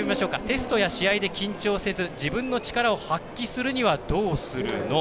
テストや試合で緊張せず自分の力を発揮するにはどうするの？